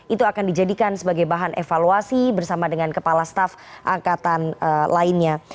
itu akan dijadikan sebagai bahan evaluasi bersama dengan kepala staf angkatan lainnya